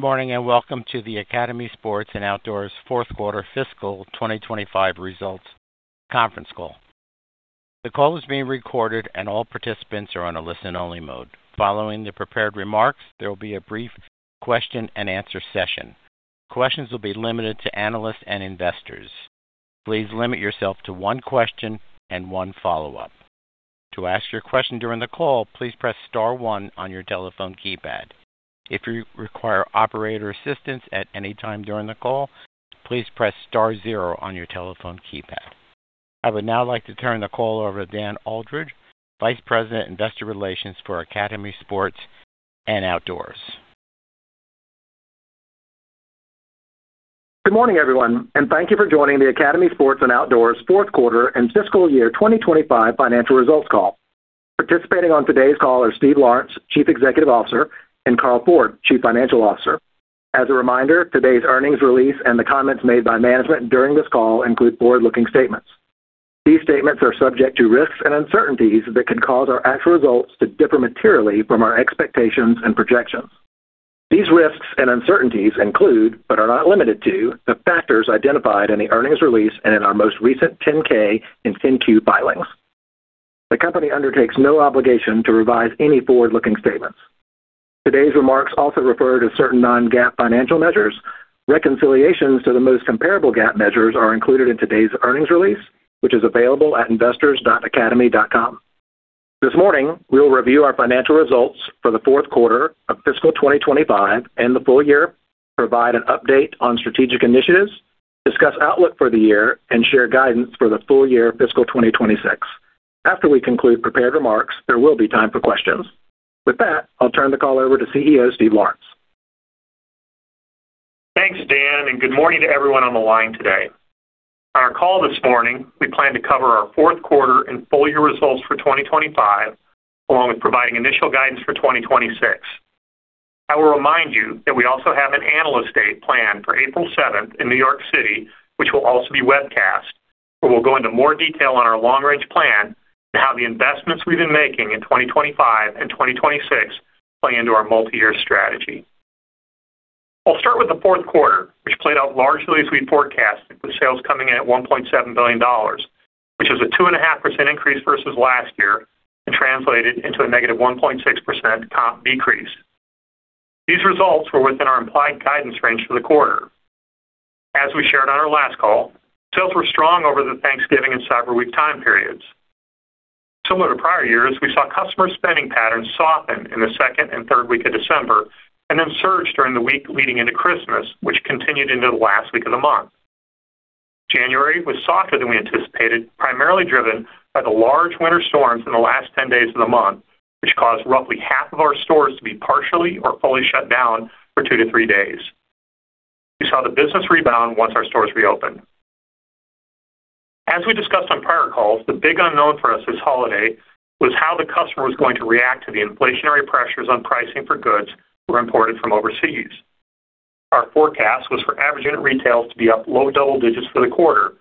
Good morning, and welcome to the Academy Sports + Outdoors fourth quarter fiscal 2025 results conference call. The call is being recorded, and all participants are on a listen-only mode. Following the prepared remarks, there will be a brief question-and-answer session. Questions will be limited to analysts and investors. Please limit yourself to one question and one follow-up. To ask your question during the call, please press star one on your telephone keypad. If you require operator assistance at any time during the call, please press star zero on your telephone keypad. I would now like to turn the call over to Dan Aldridge, Vice President, Investor Relations for Academy Sports + Outdoors. Good morning, everyone, and thank you for joining the Academy Sports + Outdoors fourth quarter and fiscal year 2025 financial results call. Participating on today's call are Steve Lawrence, Chief Executive Officer, and Carl Ford IV, Chief Financial Officer. As a reminder, today's earnings release and the comments made by management during this call include forward-looking statements. These statements are subject to risks and uncertainties that could cause our actual results to differ materially from our expectations and projections. These risks and uncertainties include, but are not limited to, the factors identified in the earnings release and in our most recent 10-K and 10-Q filings. The company undertakes no obligation to revise any forward-looking statements. Today's remarks also refer to certain non-GAAP financial measures. Reconciliations to the most comparable GAAP measures are included in today's earnings release, which is available at investors.academy.com. This morning, we will review our financial results for the fourth quarter of fiscal 2025 and the full year, provide an update on strategic initiatives, discuss outlook for the year, and share guidance for the full year fiscal 2026. After we conclude prepared remarks, there will be time for questions. With that, I'll turn the call over to CEO Steve Lawrence. Thanks, Dan, and good morning to everyone on the line today. On our call this morning, we plan to cover our fourth quarter and full year results for 2025, along with providing initial guidance for 2026. I will remind you that we also have an analyst day planned for April seventh in New York City, which will also be webcast, where we'll go into more detail on our long range plan and how the investments we've been making in 2025 and 2026 play into our multi-year strategy. I'll start with the fourth quarter, which played out largely as we'd forecasted, with sales coming in at $1.7 billion, which was a 2.5% increase versus last year and translated into a -1.6% comp decrease. These results were within our implied guidance range for the quarter. As we shared on our last call, sales were strong over the Thanksgiving and Cyber Week time periods. Similar to prior years, we saw customer spending patterns soften in the second and third week of December and then surge during the week leading into Christmas, which continued into the last week of the month. January was softer than we anticipated, primarily driven by the large winter storms in the last 10 days of the month, which caused roughly half of our stores to be partially or fully shut down for 2-3 days. We saw the business rebound once our stores reopened. As we discussed on prior calls, the big unknown for us this holiday was how the customer was going to react to the inflationary pressures on pricing for goods that were imported from overseas. Our forecast was for average unit retail to be up low double digits for the quarter.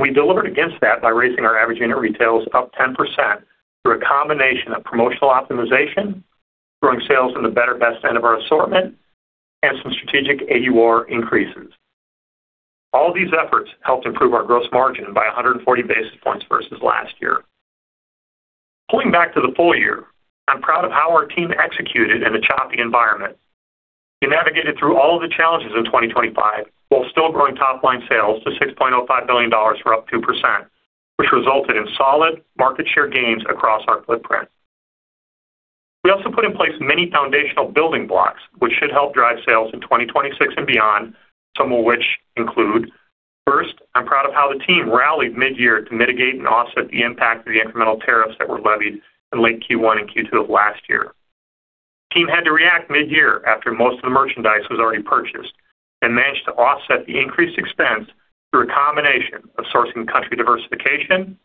We delivered against that by raising our average unit retail up 10% through a combination of promotional optimization, growing sales in the better best end of our assortment, and some strategic AUR increases. All of these efforts helped improve our gross margin by 140 basis points versus last year. Pulling back to the full year, I'm proud of how our team executed in a choppy environment. We navigated through all of the challenges in 2025 while still growing top line sales to $6.05 billion, up 2%, which resulted in solid market share gains across our footprint. We also put in place many foundational building blocks, which should help drive sales in 2026 and beyond, some of which include. First, I'm proud of how the team rallied mid-year to mitigate and offset the impact of the incremental tariffs that were levied in late Q1 and Q2 of last year. Team had to react mid-year after most of the merchandise was already purchased and managed to offset the increased expense through a combination of sourcing country diversification,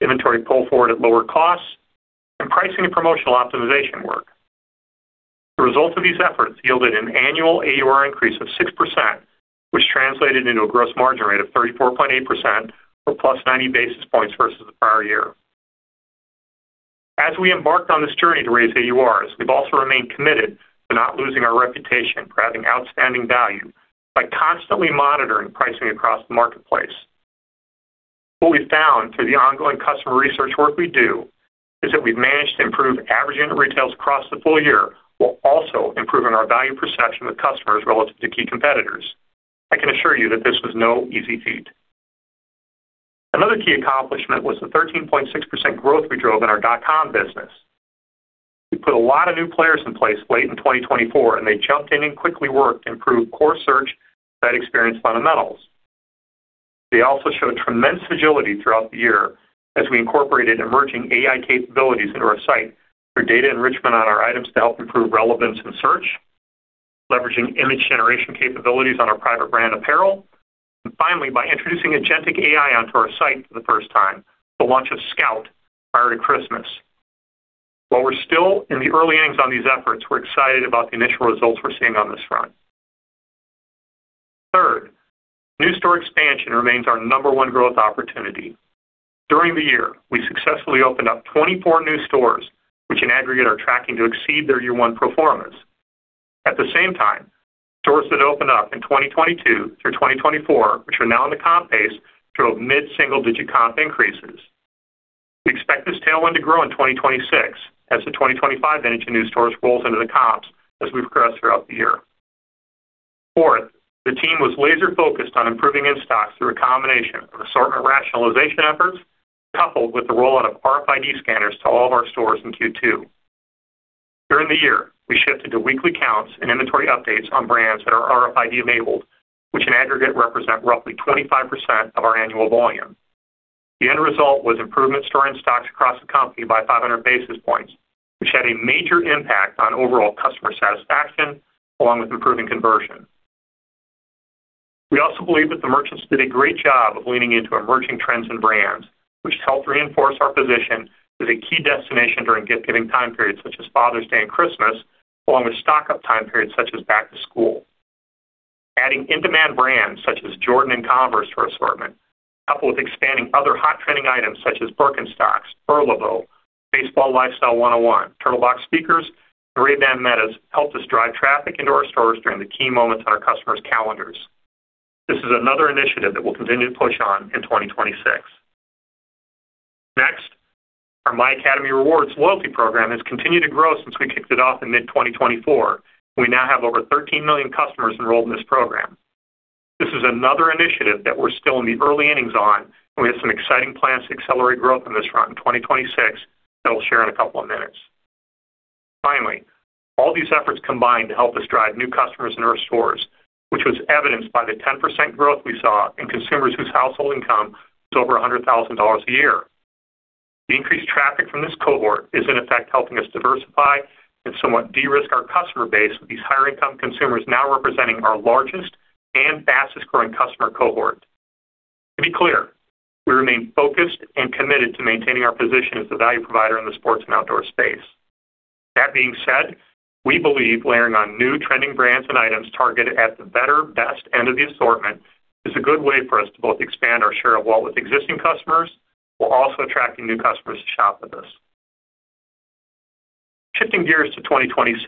inventory pull forward at lower costs, and pricing and promotional optimization work. The result of these efforts yielded an annual AUR increase of 6%, which translated into a gross margin rate of 34.8% or plus 90 basis points versus the prior year. As we embarked on this journey to raise AURs, we've also remained committed to not losing our reputation for having outstanding value by constantly monitoring pricing across the marketplace. What we found through the ongoing customer research work we do is that we've managed to improve average unit retail across the full year while also improving our value perception with customers relative to key competitors. I can assure you that this was no easy feat. Another key accomplishment was the 13.6% growth we drove in our dot-com business. We put a lot of new players in place late in 2024, and they jumped in and quickly worked to improve core search site experience fundamentals. They also showed tremendous agility throughout the year as we incorporated emerging AI capabilities into our site for data enrichment on our items to help improve relevance in search, leveraging image generation capabilities on our private brand apparel, and finally, by introducing agentic AI onto our site for the first time, the launch of Scout prior to Christmas. While we're still in the early innings on these efforts, we're excited about the initial results we're seeing on this front. Store expansion remains our number one growth opportunity. During the year, we successfully opened up 24 new stores, which in aggregate are tracking to exceed their year one performance. At the same time, stores that opened up in 2022 through 2024, which are now in the comp base, show mid-single-digit comp increases. We expect this tailwind to grow in 2026 as the 2025 vintage of new stores rolls into the comps as we progress throughout the year. Fourth, the team was laser-focused on improving in-stocks through a combination of assortment rationalization efforts, coupled with the rollout of RFID scanners to all of our stores in Q2. During the year, we shifted to weekly counts and inventory updates on brands that are RFID labeled, which in aggregate represent roughly 25% of our annual volume. The end result was improvement in store in-stocks across the company by 500 basis points, which had a major impact on overall customer satisfaction along with improving conversion. We also believe that the merchants did a great job of leaning into emerging trends and brands, which helped reinforce our position as a key destination during gift-giving time periods such as Father's Day and Christmas, along with stock-up time periods such as back to school. Adding in-demand brands such as Jordan and Converse to our assortment, coupled with expanding other hot trending items such as Birkenstock, Fila, Baseball Lifestyle 101, Turtlebox speakers, and Ray-Ban Meta helped us drive traffic into our stores during the key moments on our customers' calendars. This is another initiative that we'll continue to push on in 2026. Next, our My Academy Rewards loyalty program has continued to grow since we kicked it off in mid-2024. We now have over 13 million customers enrolled in this program. This is another initiative that we're still in the early innings on, and we have some exciting plans to accelerate growth on this front in 2026 that I'll share in a couple of minutes. Finally, all these efforts combined to help us drive new customers into our stores, which was evidenced by the 10% growth we saw in consumers whose household income is over $100,000 a year. The increased traffic from this cohort is in effect helping us diversify and somewhat de-risk our customer base, with these higher income consumers now representing our largest and fastest-growing customer cohort. To be clear, we remain focused and committed to maintaining our position as the value provider in the sports and outdoor space. That being said, we believe layering on new trending brands and items targeted at the better, best end of the assortment is a good way for us to both expand our share of wallet with existing customers while also attracting new customers to shop with us. Shifting gears to 2026.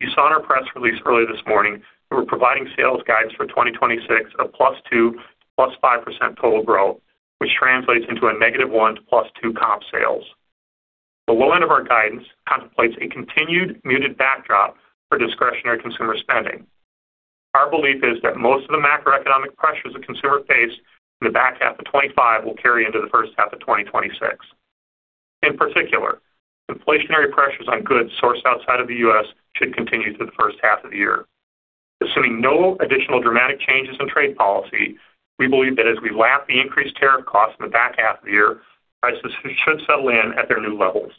You saw in our press release earlier this morning that we're providing sales guidance for 2026 of +2% to +5% total growth, which translates into a -1% to +2% comp sales. The low end of our guidance contemplates a continued muted backdrop for discretionary consumer spending. Our belief is that most of the macroeconomic pressures the consumer faced in the back half of 2025 will carry into the first half of 2026. In particular, inflationary pressures on goods sourced outside of the U.S. should continue through the first half of the year. Assuming no additional dramatic changes in trade policy, we believe that as we lap the increased tariff costs in the back half of the year, prices should settle in at their new levels.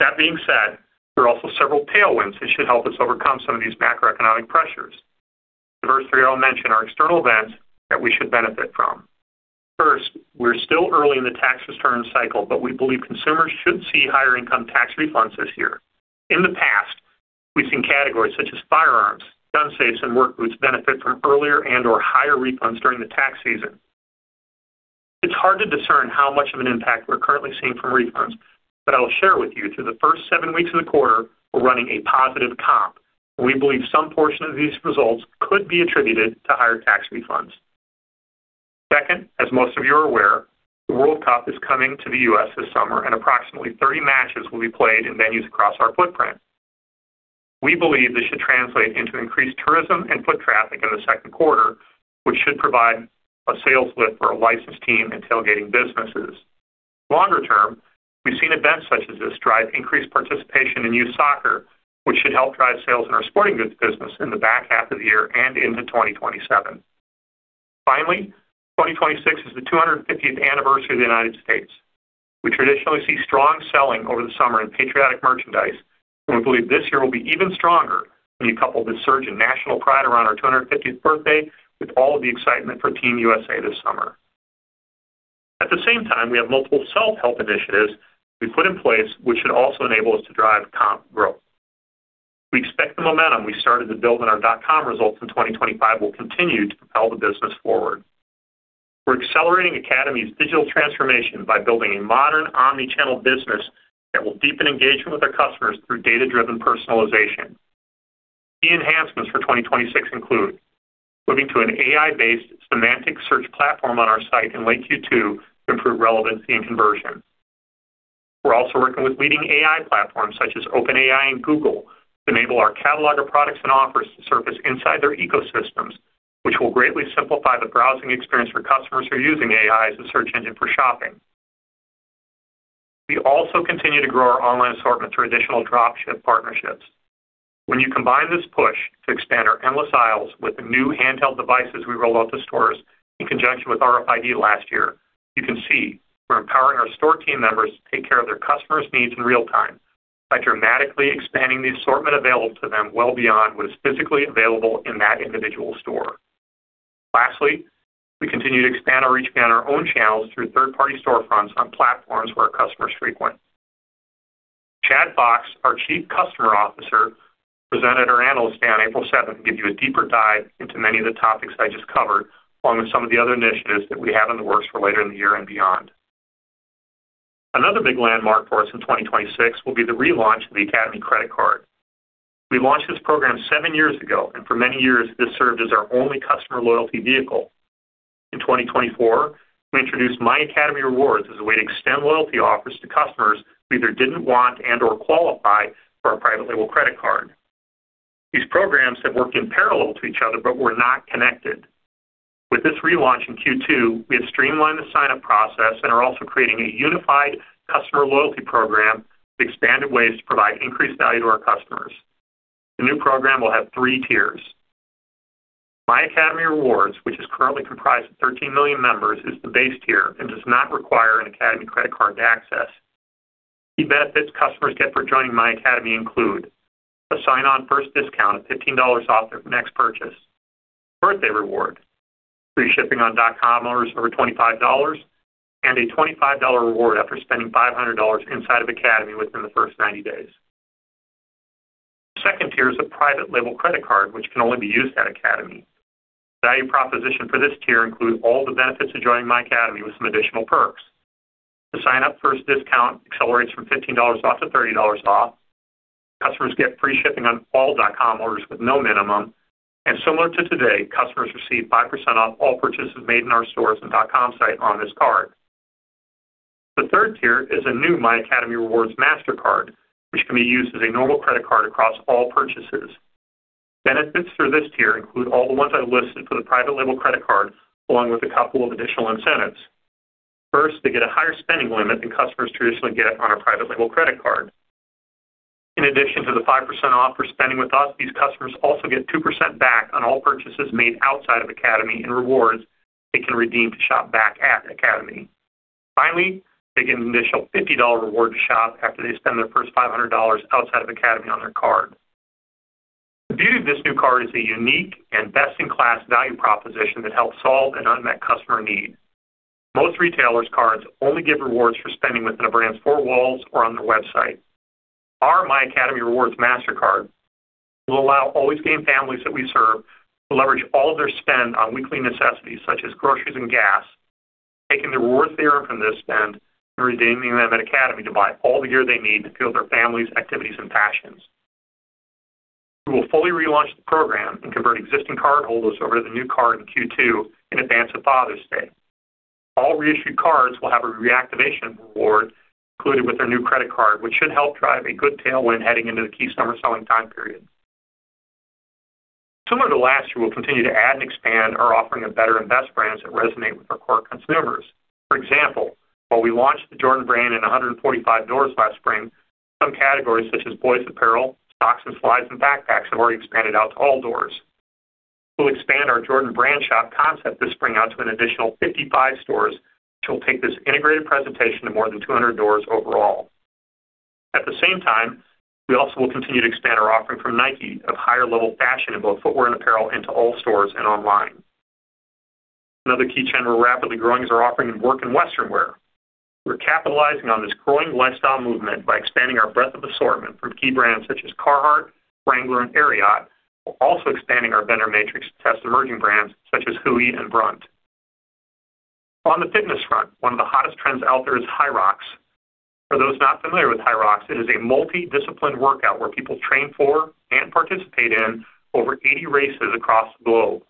That being said, there are also several tailwinds that should help us overcome some of these macroeconomic pressures. The first three I'll mention are external events that we should benefit from. First, we're still early in the tax return cycle, but we believe consumers should see higher income tax refunds this year. In the past, we've seen categories such as firearms, gun safes, and work boots benefit from earlier and/or higher refunds during the tax season. It's hard to discern how much of an impact we're currently seeing from refunds, but I'll share with you through the first seven weeks of the quarter, we're running a positive comp, and we believe some portion of these results could be attributed to higher tax refunds. Second, as most of you are aware, the World Cup is coming to the U.S. this summer, and approximately 30 matches will be played in venues across our footprint. We believe this should translate into increased tourism and foot traffic in the second quarter, which should provide a sales lift for our licensed team and tailgating businesses. Longer term, we've seen events such as this drive increased participation in youth soccer, which should help drive sales in our sporting goods business in the back half of the year and into 2027. Finally, 2026 is the 250th anniversary of the United States. We traditionally see strong selling over the summer in patriotic merchandise, and we believe this year will be even stronger when you couple the surge in national pride around our 250th birthday with all of the excitement for Team USA this summer. At the same time, we have multiple self-help initiatives we've put in place, which should also enable us to drive comp growth. We expect the momentum we started to build in our dot-com results in 2025 will continue to propel the business forward. We're accelerating Academy's digital transformation by building a modern omni-channel business that will deepen engagement with our customers through data-driven personalization. Key enhancements for 2026 include moving to an AI-based semantic search platform on our site in late Q2 to improve relevancy and conversion. We're also working with leading AI platforms such as OpenAI and Google to enable our catalog of products and offers to surface inside their ecosystems, which will greatly simplify the browsing experience for customers who are using AI as a search engine for shopping. We also continue to grow our online assortment through additional drop ship partnerships. When you combine this push to expand our endless aisles with the new handheld devices we rolled out to stores in conjunction with RFID last year, you can see we're empowering our store team members to take care of their customers' needs in real time by dramatically expanding the assortment available to them well beyond what is physically available in that individual store. Lastly, we continue to expand our reach beyond our own channels through third-party storefronts on platforms where our customers frequent. Chad Fox, our Chief Customer Officer, presented our Analyst Day on April 7th to give you a deeper dive into many of the topics I just covered, along with some of the other initiatives that we have in the works for later in the year and beyond. Another big landmark for us in 2026 will be the relaunch of the Academy credit card. We launched this program seven years ago, and for many years this served as our only customer loyalty vehicle. In 2024, we introduced My Academy Rewards as a way to extend loyalty offers to customers who either didn't want and/or qualify for our private label credit card. These programs have worked in parallel to each other but were not connected. With this relaunch in Q2, we have streamlined the sign-up process and are also creating a unified customer loyalty program with expanded ways to provide increased value to our customers. The new program will have three tiers. My Academy Rewards, which is currently comprised of 13 million members, is the base tier and does not require an Academy credit card to access. Key benefits customers get for joining My Academy include a sign-up first discount of $15 off their next purchase, birthday reward, free shipping on dot-com orders over $25, and a $25 reward after spending $500 inside of Academy within the first 90 days. The second tier is a private label credit card, which can only be used at Academy. Value proposition for this tier include all the benefits of joining My Academy with some additional perks. The sign-up first discount accelerates from $15 off to $30 off. Customers get free shipping on all dot-com orders with no minimum. Similar to today, customers receive 5% off all purchases made in our stores and dot-com site on this card. The third tier is a new My Academy Rewards MasterCard, which can be used as a normal credit card across all purchases. Benefits for this tier include all the ones I listed for the private label credit card, along with a couple of additional incentives. First, they get a higher spending limit than customers traditionally get on our private label credit card. In addition to the 5% off for spending with us, these customers also get 2% back on all purchases made outside of Academy in rewards they can redeem to shop back at Academy. Finally, they get an initial $50 reward to shop after they spend their first $500 outside of Academy on their card. The beauty of this new card is a unique and best-in-class value proposition that helps solve an unmet customer need. Most retailers' cards only give rewards for spending within a brand's four walls or on their website. Our My Academy Rewards MasterCard will allow all these game families that we serve to leverage all of their spend on weekly necessities such as groceries and gas, taking the rewards they earn from this spend and redeeming them at Academy to buy all the gear they need to fuel their families, activities and passions. We will fully relaunch the program and convert existing cardholders over to the new card in Q2 in advance of Father's Day. All reissued cards will have a reactivation reward included with their new credit card, which should help drive a good tailwind heading into the key summer selling time period. Similar to last year, we'll continue to add and expand our offering of better and best brands that resonate with our core consumers. For example, while we launched the Jordan brand in 145 doors last spring, some categories such as boys apparel, socks and slides and backpacks have already expanded out to all doors. We'll expand our Jordan brand shop concept this spring out to an additional 55 stores, which will take this integrated presentation to more than 200 doors overall. At the same time, we also will continue to expand our offering from Nike of higher-level fashion in both footwear and apparel into all stores and online. Another key trend we're rapidly growing is our offering in work and western wear. We're capitalizing on this growing lifestyle movement by expanding our breadth of assortment from key brands such as Carhartt, Wrangler and Ariat, while also expanding our vendor matrix to test emerging brands such as Huey and Brunt. On the fitness front, one of the hottest trends out there is HYROX. For those not familiar with HYROX, it is a multi-disciplined workout where people train for and participate in over 80 races across the globe.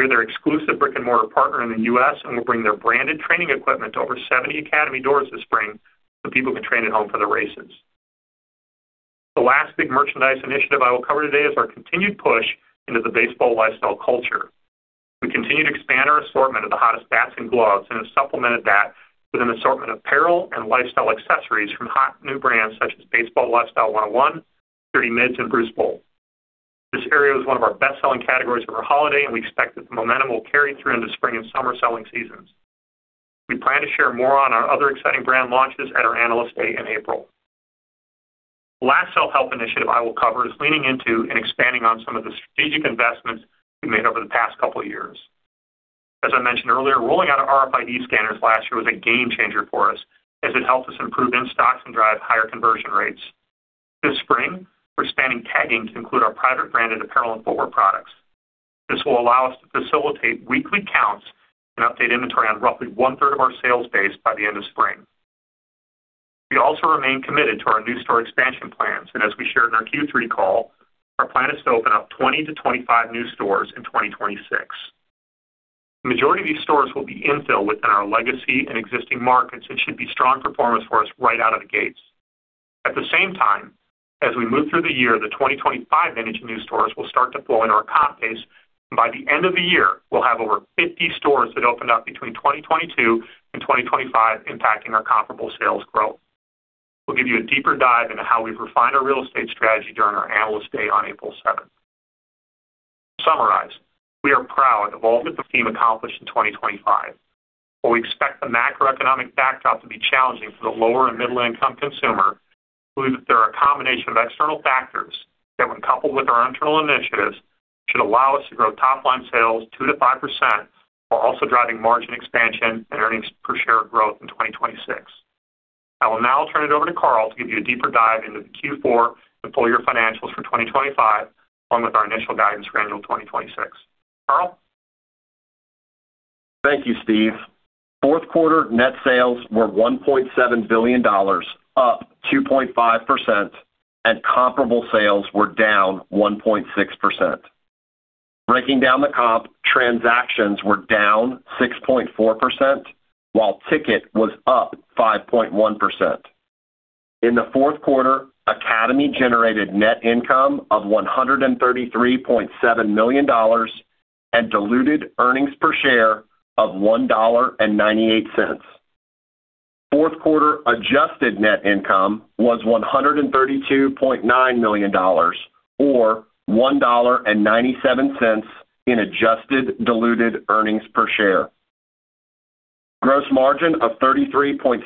We are their exclusive brick-and-mortar partner in the U.S., and we'll bring their branded training equipment to over 70 Academy doors this spring so people can train at home for the races. The last big merchandise initiative I will cover today is our continued push into the baseball lifestyle culture. We continue to expand our assortment of the hottest bats and gloves and have supplemented that with an assortment of apparel and lifestyle accessories from hot new brands such as Baseball Lifestyle 101, Dirty Mids, and Bruce Bolt. This area was one of our best-selling categories over holiday, and we expect that the momentum will carry through into spring and summer selling seasons. We plan to share more on our other exciting brand launches at our Analyst Day in April. The last self-help initiative I will cover is leaning into and expanding on some of the strategic investments we've made over the past couple of years. As I mentioned earlier, rolling out our RFID scanners last year was a game changer for us as it helped us improve in-stocks and drive higher conversion rates. This spring, we're expanding tagging to include our private branded apparel and footwear products. This will allow us to facilitate weekly counts and update inventory on roughly one-third of our sales base by the end of spring. We also remain committed to our new store expansion plans, and as we shared in our Q3 call, our plan is to open up 20-25 new stores in 2026. The majority of these stores will be infill within our legacy and existing markets and should be strong performers for us right out of the gates. At the same time, as we move through the year, the 2025 vintage new stores will start to pull in our comp base, and by the end of the year, we'll have over 50 stores that opened up between 2022 and 2025 impacting our comparable sales growth. We'll give you a deeper dive into how we've refined our real estate strategy during our Analyst Day on April 7th. To summarize, we are proud of all that the team accomplished in 2025. While we expect the macroeconomic backdrop to be challenging for the lower- and middle-income consumer, we believe that there are a combination of external factors, coupled with our internal initiatives, should allow us to grow top-line sales 2%-5%, while also driving margin expansion and earnings per share growth in 2026. I will now turn it over to Carl to give you a deeper dive into the Q4 and full-year financials for 2025, along with our initial guidance for annual 2026. Carl. Thank you, Steve. Fourth quarter net sales were $1.7 billion, up 2.5%, and comparable sales were down 1.6%. Breaking down the comp, transactions were down 6.4%, while ticket was up 5.1%. In the fourth quarter, Academy generated net income of $133.7 million and diluted earnings per share of $1.98. Fourth quarter adjusted net income was $132.9 million or $1.97 in adjusted diluted earnings per share. Gross margin of 33.6%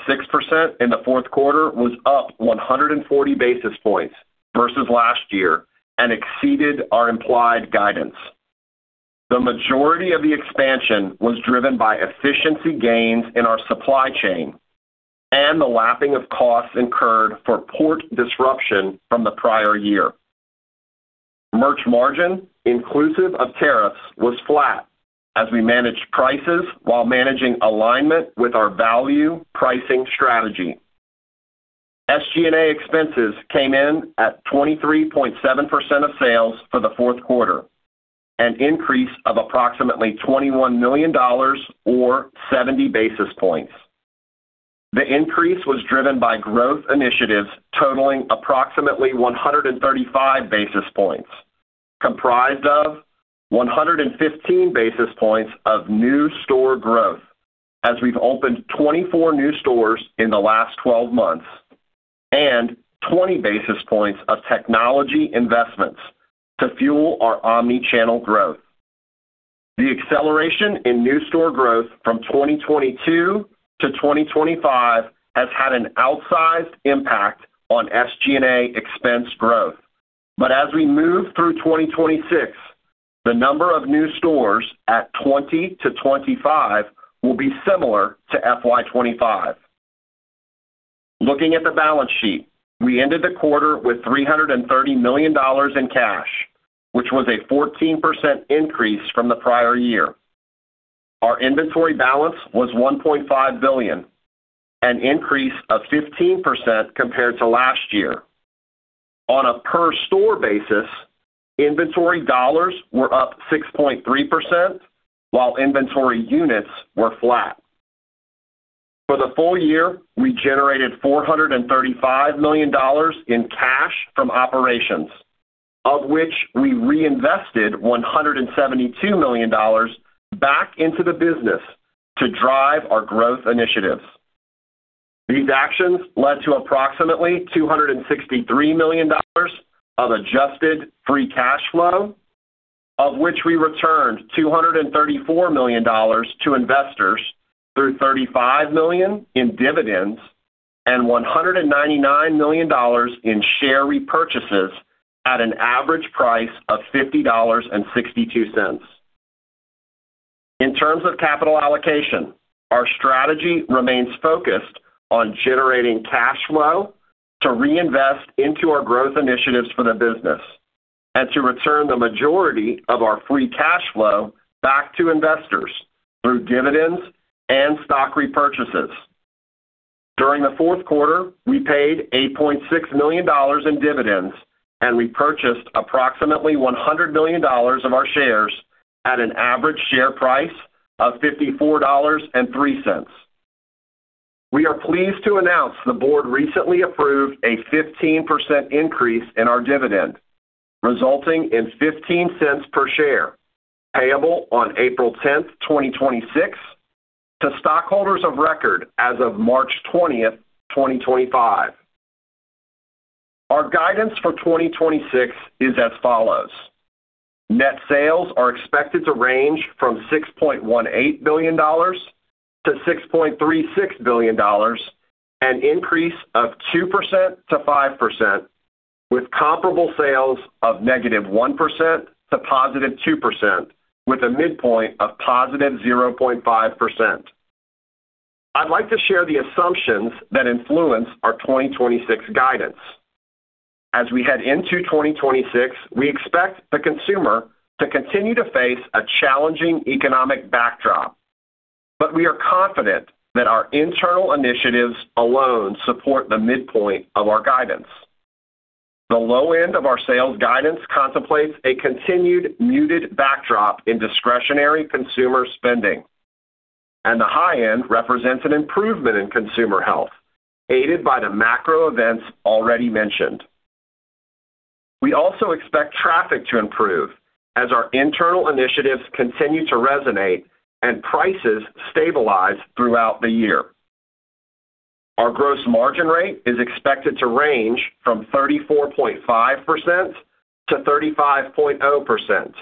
in the fourth quarter was up 140 basis points versus last year and exceeded our implied guidance. The majority of the expansion was driven by efficiency gains in our supply chain and the lapping of costs incurred for port disruption from the prior year. Merch margin, inclusive of tariffs, was flat as we managed prices while managing alignment with our value pricing strategy. SG&A expenses came in at 23.7% of sales for the fourth quarter, an increase of approximately $21 million or 70 basis points. The increase was driven by growth initiatives totaling approximately 135 basis points, comprised of 115 basis points of new store growth as we've opened 24 new stores in the last twelve months and 20 basis points of technology investments to fuel our omni-channel growth. The acceleration in new store growth from 2022 to 2025 has had an outsized impact on SG&A expense growth. As we move through 2026, the number of new stores at 20-25 will be similar to FY 2025. Looking at the balance sheet, we ended the quarter with $330 million in cash, which was a 14% increase from the prior year. Our inventory balance was $1.5 billion, an increase of 15% compared to last year. On a per store basis, inventory dollars were up 6.3%, while inventory units were flat. For the full year, we generated $435 million in cash from operations, of which we reinvested $172 million back into the business to drive our growth initiatives. These actions led to approximately $263 million of adjusted free cash flow, of which we returned $234 million to investors through $35 million in dividends and $199 million in share repurchases at an average price of $50.62. In terms of capital allocation, our strategy remains focused on generating cash flow to reinvest into our growth initiatives for the business and to return the majority of our free cash flow back to investors through dividends and stock repurchases. During the fourth quarter, we paid $8.6 million in dividends and repurchased approximately $100 million of our shares at an average share price of $54.03. We are pleased to announce the board recently approved a 15% increase in our dividend, resulting in $0.15 per share payable on April 10th, 2026 to stockholders of record as of March 20th, 2025. Our guidance for 2026 is as follows. Net sales are expected to range from $6.18 billion to $6.36 billion, an increase of 2%-5% with comparable sales of -1% to +2% with a midpoint of +0.5%. I'd like to share the assumptions that influence our 2026 guidance. As we head into 2026, we expect the consumer to continue to face a challenging economic backdrop, but we are confident that our internal initiatives alone support the midpoint of our guidance. The low end of our sales guidance contemplates a continued muted backdrop in discretionary consumer spending, and the high end represents an improvement in consumer health, aided by the macro events already mentioned. We also expect traffic to improve as our internal initiatives continue to resonate and prices stabilize throughout the year. Our gross margin rate is expected to range from 34.5%-35.0%.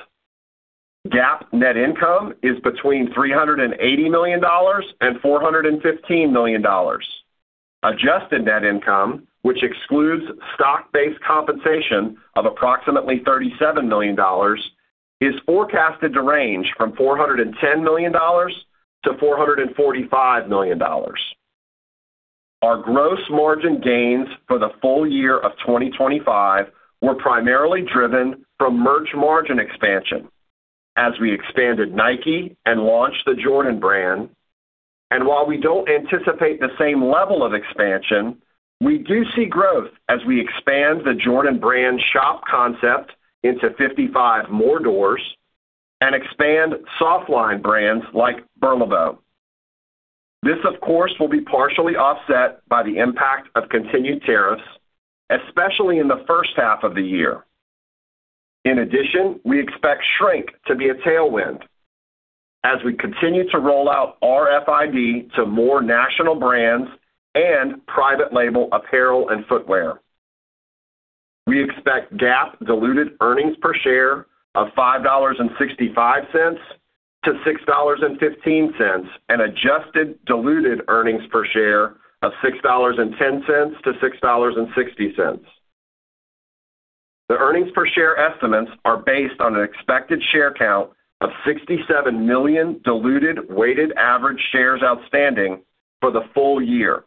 GAAP net income is between $380 million and $415 million. Adjusted net income, which excludes stock-based compensation of approximately $37 million, is forecasted to range from $410 million-$445 million. Our gross margin gains for the full year of 2025 were primarily driven from merch margin expansion as we expanded Nike and launched the Jordan brand. While we don't anticipate the same level of expansion, we do see growth as we expand the Jordan brand shop concept into 55 more doors and expand soft line brands like BURLEBO. This, of course, will be partially offset by the impact of continued tariffs, especially in the first half of the year. In addition, we expect shrink to be a tailwind as we continue to roll out RFID to more national brands and private label apparel and footwear. We expect GAAP diluted earnings per share of $5.65-$6.15 and adjusted diluted earnings per share of $6.10-$6.60. The earnings per share estimates are based on an expected share count of 67 million diluted weighted average shares outstanding for the full year.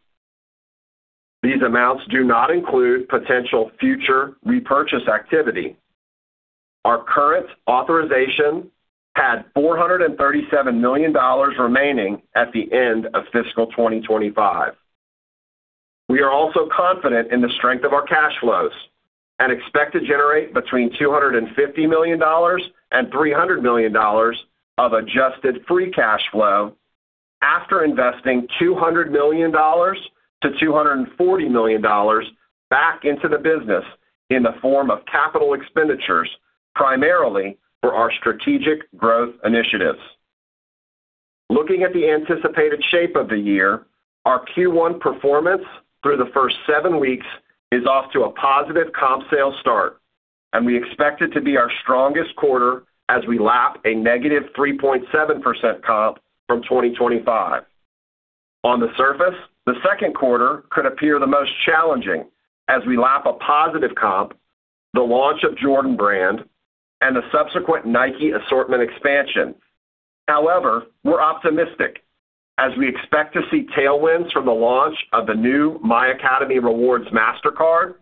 These amounts do not include potential future repurchase activity. Our current authorization had $437 million remaining at the end of fiscal 2025. We are also confident in the strength of our cash flows and expect to generate between $250 million and $300 million of adjusted free cash flow after investing $200 million-$240 million back into the business in the form of capital expenditures, primarily for our strategic growth initiatives. Looking at the anticipated shape of the year, our Q1 performance through the first seven weeks is off to a positive comp sales start, and we expect it to be our strongest quarter as we lap a -3.7% comp from 2025. On the surface, the second quarter could appear the most challenging as we lap a positive comp, the launch of Jordan Brand, and the subsequent Nike assortment expansion. However, we're optimistic as we expect to see tailwinds from the launch of the new My Academy Rewards MasterCard,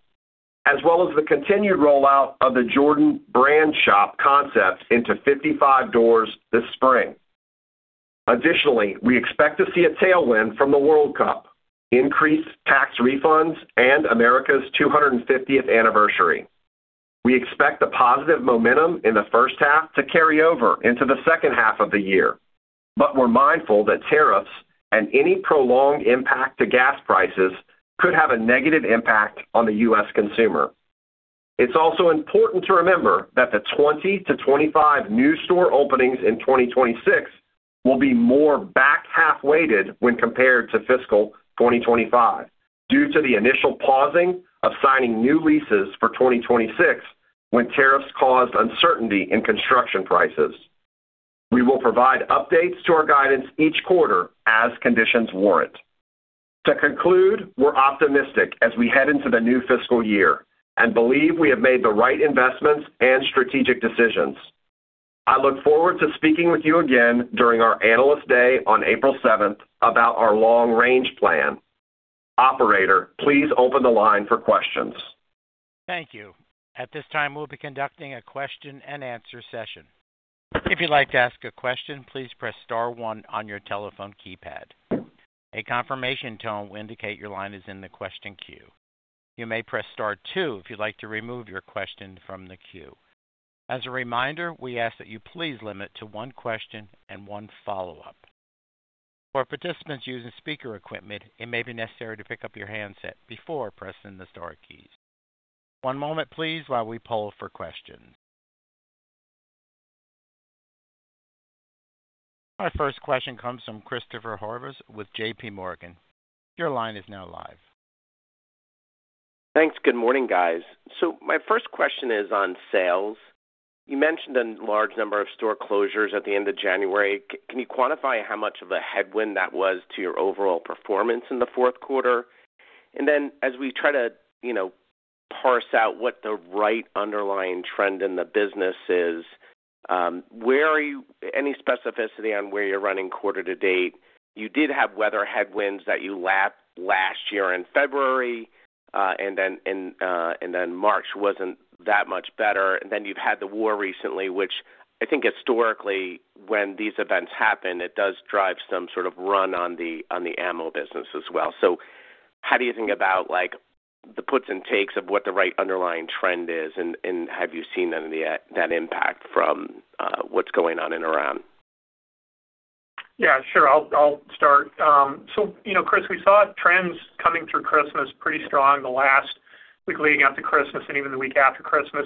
as well as the continued rollout of the Jordan brand shop concept into 55 doors this spring. Additionally, we expect to see a tailwind from the World Cup, increased tax refunds, and America's 250th anniversary. We expect the positive momentum in the first half to carry over into the second half of the year, but we're mindful that tariffs and any prolonged impact to gas prices could have a negative impact on the U.S. consumer. It's also important to remember that the 20-25 new store openings in 2026 will be more back half weighted when compared to fiscal 2025 due to the initial pausing of signing new leases for 2026 when tariffs caused uncertainty in construction prices. We will provide updates to our guidance each quarter as conditions warrant. To conclude, we're optimistic as we head into the new fiscal year and believe we have made the right investments and strategic decisions. I look forward to speaking with you again during our Analyst Day on April 7th about our long-range plan. Operator, please open the line for questions. Thank you. At this time, we'll be conducting a question-and-answer session. If you'd like to ask a question, please press star one on your telephone keypad. A confirmation tone will indicate your line is in the question queue. You may press star two if you'd like to remove your question from the queue. As a reminder, we ask that you please limit to one question and one follow-up. For participants using speaker equipment, it may be necessary to pick up your handset before pressing the star keys. One moment, please, while we poll for questions. My first question comes from Christopher Horvers with JPMorgan. Your line is now live. Thanks. Good morning, guys. My first question is on sales. You mentioned a large number of store closures at the end of January. Can you quantify how much of a headwind that was to your overall performance in the fourth quarter? As we try to, you know, parse out what the right underlying trend in the business is, any specificity on how you're running quarter to date? You did have weather headwinds that you lapped last year in February, and then March wasn't that much better. You've had the war recently, which I think historically when these events happen, it does drive some sort of run on the ammo business as well. How do you think about, like, the puts and takes of what the right underlying trend is? Have you seen any of that impact from what's going on in and around? Yeah, sure. I'll start. You know, Chris, we saw trends coming through Christmas pretty strong the last week leading up to Christmas and even the week after Christmas.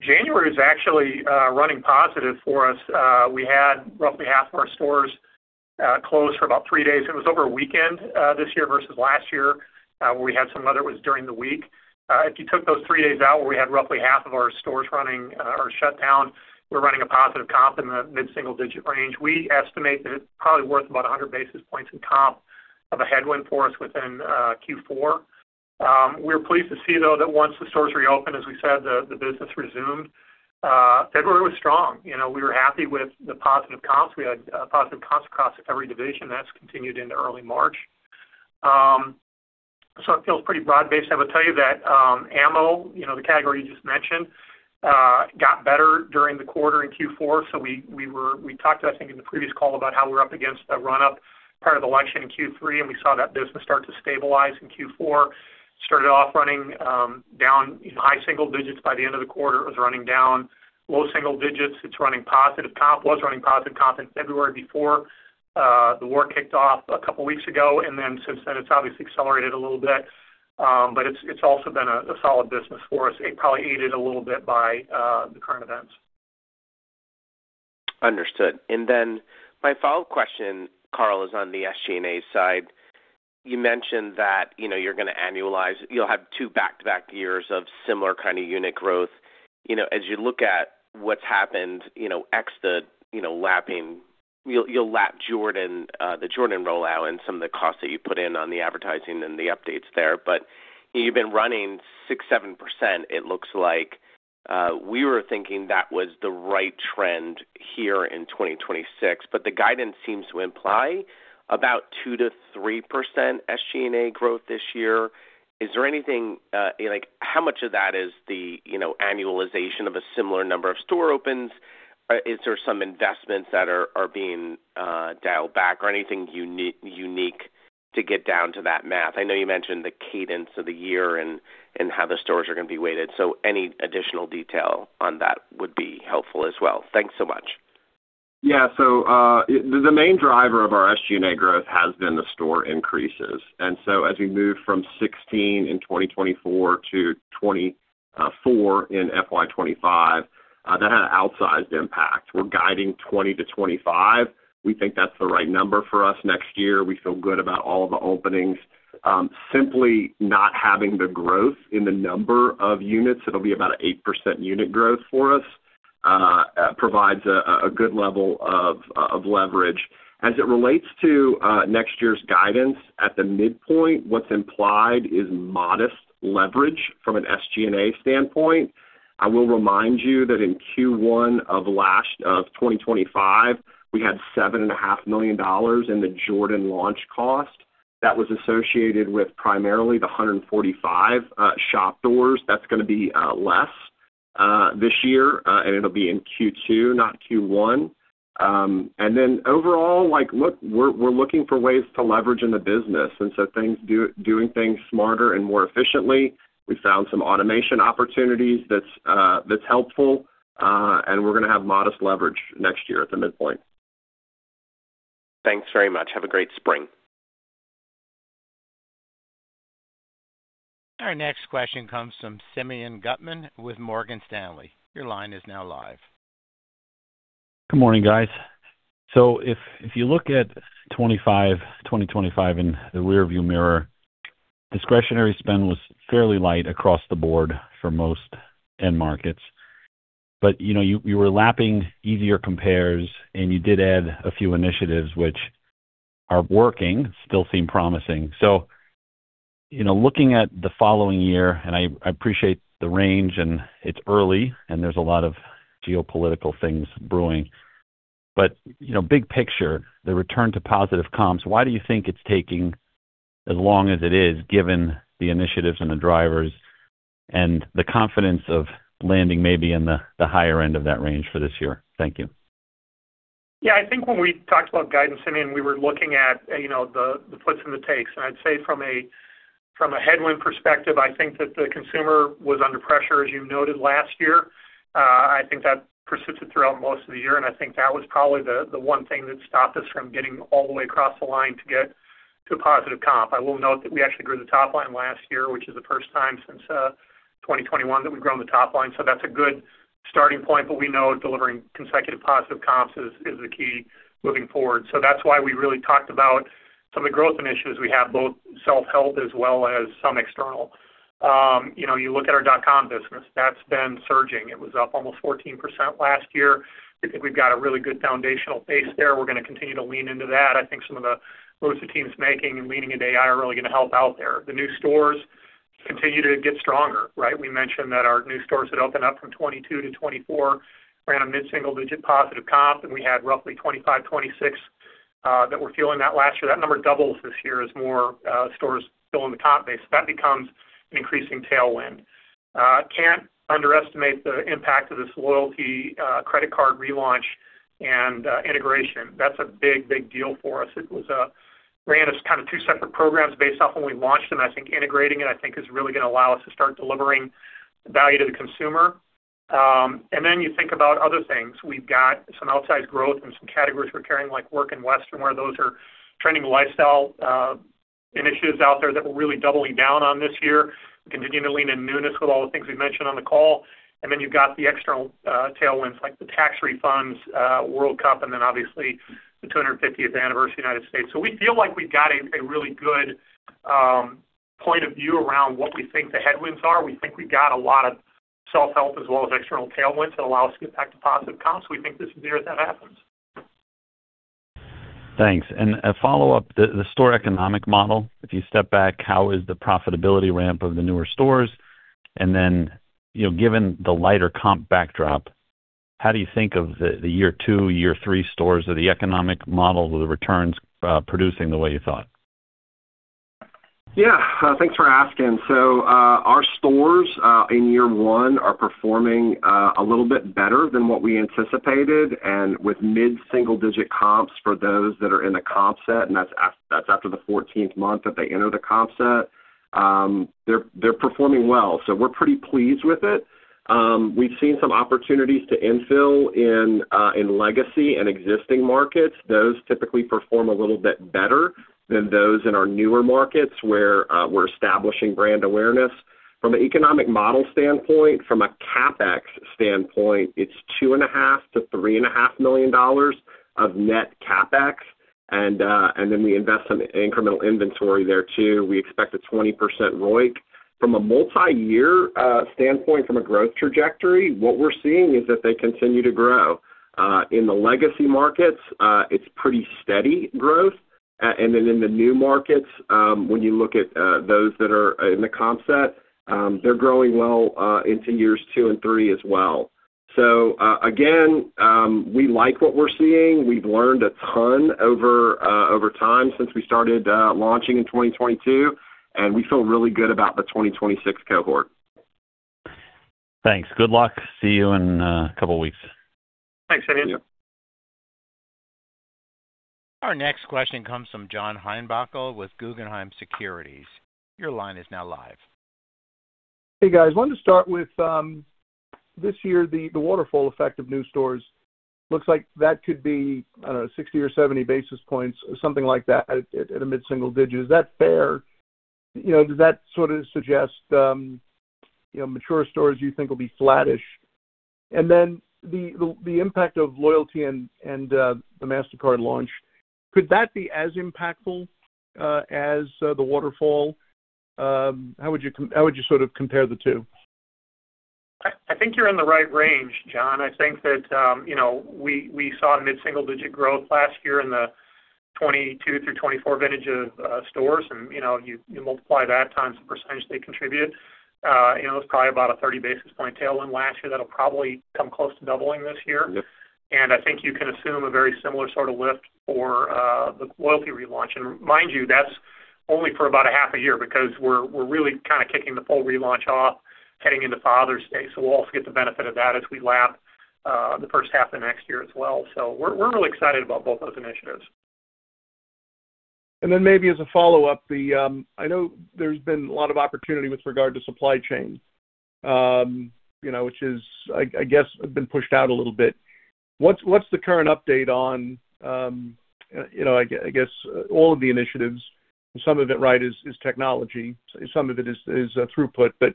January is actually running positive for us. We had roughly half of our stores Closed for about three days. It was over a weekend this year versus last year, where we had some weather. It was during the week. If you took those three days out where we had roughly half of our stores running or shut down, we're running a positive comp in the mid-single digit range. We estimate that it's probably worth about 100 basis points in comp of a headwind for us within Q4. We were pleased to see though that once the stores reopened, as we said, the business resumed. February was strong. You know, we were happy with the positive comps. We had positive comps across every division. That's continued into early March. So it feels pretty broad-based. I would tell you that, ammo, you know, the category you just mentioned, got better during the quarter in Q4. We talked, I think, in the previous call about how we're up against a run-up prior to the election in Q3, and we saw that business start to stabilize in Q4. Started off running down in high single digits. By the end of the quarter, it was running down low single digits. It's running positive comp. Was running positive comp in February before the war kicked off a couple weeks ago, and then since then, it's obviously accelerated a little bit. But it's also been a solid business for us. It probably aided a little bit by the current events. Understood. My follow-up question, Carl, is on the SG&A side. You mentioned that, you know, you're gonna annualize. You'll have two back-to-back years of similar kind of unit growth. You know, as you look at what's happened, you know, ex the, you know, lapping, you'll lap Jordan, the Jordan rollout and some of the costs that you put in on the advertising and the updates there. But you've been running 6%-7%, it looks like. We were thinking that was the right trend here in 2026, but the guidance seems to imply about 2%-3% SG&A growth this year. Is there anything, like how much of that is the, you know, annualization of a similar number of store opens? Is there some investments that are being dialed back or anything unique to get down to that math? I know you mentioned the cadence of the year and how the stores are gonna be weighted, so any additional detail on that would be helpful as well. Thanks so much. Yeah, the main driver of our SG&A growth has been the store increases. As we moved from 16 in 2024 to 24 in FY 2025, that had an outsized impact. We're guiding 20-25. We think that's the right number for us next year. We feel good about all of the openings. Simply not having the growth in the number of units, it'll be about an 8% unit growth for us, provides a good level of leverage. As it relates to next year's guidance at the midpoint, what's implied is modest leverage from an SG&A standpoint. I will remind you that in Q1 of 2025, we had $7.5 million in the Jordan launch cost that was associated with primarily the 145 shop doors. That's gonna be less this year, and it'll be in Q2, not Q1. Overall, like look, we're looking for ways to leverage in the business, and so doing things smarter and more efficiently. We found some automation opportunities that's helpful, and we're gonna have modest leverage next year at the midpoint. Thanks very much. Have a great spring. Our next question comes from Simeon Gutman with Morgan Stanley. Your line is now live. Good morning, guys. If you look at 2025 in the rearview mirror, discretionary spend was fairly light across the board for most end markets. You know, you were lapping easier compares, and you did add a few initiatives which are working, still seem promising. You know, looking at the following year, and I appreciate the range, and it's early, and there's a lot of geopolitical things brewing. You know, big picture, the return to positive comps, why do you think it's taking as long as it is, given the initiatives and the drivers and the confidence of landing maybe in the higher end of that range for this year? Thank you. Yeah. I think when we talked about guidance, Simeon, we were looking at, you know, the puts and the takes. I'd say from a headwind perspective, I think that the consumer was under pressure, as you noted last year. I think that persisted throughout most of the year, and I think that was probably the one thing that stopped us from getting all the way across the line to get to a positive comp. I will note that we actually grew the top line last year, which is the first time since 2021 that we've grown the top line. That's a good starting point. We know delivering consecutive positive comps is the key moving forward. That's why we really talked about some of the growth initiatives we have, both self-help as well as some external. You know, you look at our dot-com business, that's been surging. It was up almost 14% last year. We think we've got a really good foundational base there. We're gonna continue to lean into that. I think some of the moves the team's making and leaning into AI are really gonna help out there. The new stores continue to get stronger, right? We mentioned that our new stores had opened up from 22 to 24, ran a mid-single-digit positive comp, and we had roughly 25, 26 that were fueling that last year. That number doubles this year as more stores fill in the comp base. That becomes an increasing tailwind. Can't underestimate the impact of this loyalty credit card relaunch and integration. That's a big, big deal for us. It was run as kind of two separate programs based off when we launched them. I think integrating it is really gonna allow us to start delivering value to the consumer. Then you think about other things. We've got some outsized growth in some categories we're carrying, like work and western wear. Those are trending lifestyle initiatives out there that we're really doubling down on this year. Continuing to lean in newness with all the things we've mentioned on the call. Then you've got the external tailwinds like the tax refunds, World Cup, and then obviously the 250th anniversary of the United States. We feel like we've got a really good point of view around what we think the headwinds are. We think we've got a lot of self-help as well as external tailwinds that allow us to get back to positive comps. We think this is the year that happens. Thanks. A follow-up. The store economic model. If you step back, how is the profitability ramp of the newer stores? Then, you know, given the lighter comp backdrop, how do you think of the year two, year three stores? Are the economic models or the returns producing the way you thought? Yeah. Thanks for asking. Our stores in year one are performing a little bit better than what we anticipated. With mid-single digit comps for those that are in the comp set, and that's after the 14th month that they enter the comp set, they're performing well. We're pretty pleased with it. We've seen some opportunities to infill in legacy and existing markets. Those typically perform a little bit better than those in our newer markets where we're establishing brand awareness. From an economic model standpoint, from a CapEx standpoint, it's $2.5 million-$3.5 million of net CapEx. Then we invest in incremental inventory there too. We expect a 20% ROIC. From a multi-year standpoint, from a growth trajectory, what we're seeing is that they continue to grow. In the legacy markets, it's pretty steady growth. In the new markets, when you look at those that are in the comp set, they're growing well into years two and three as well. Again, we like what we're seeing. We've learned a ton over time since we started launching in 2022, and we feel really good about the 2026 cohort. Thanks. Good luck. See you in a couple weeks. Thanks. Have a good one. Thank you. Our next question comes from John Heinbockel with Guggenheim Securities. Your line is now live. Hey, guys. Wanted to start with this year, the waterfall effect of new stores. Looks like that could be, I don't know, 60 or 70 basis points or something like that at a mid-single digit. Is that fair? You know, does that sort of suggest, you know, mature stores you think will be flattish? The impact of loyalty and the Mastercard launch, could that be as impactful as the waterfall? How would you sort of compare the two? I think you're in the right range, John. I think that you know we saw mid-single digit growth last year in the 22 through 24 vintage of stores. You know you multiply that times the percentage they contribute you know it's probably about a 30 basis point tailwind last year that'll probably come close to doubling this year. Yep. I think you can assume a very similar sort of lift for the loyalty relaunch. Mind you, that's only for about a half a year because we're really kind of kicking the full relaunch off heading into Father's Day. We'll also get the benefit of that as we lap the first half of next year as well. We're really excited about both those initiatives. Maybe as a follow-up, I know there's been a lot of opportunity with regard to supply chain, you know, which is, I guess, has been pushed out a little bit. What's the current update on, you know, I guess all of the initiatives? Some of it, right, is technology, some of it is throughput, but,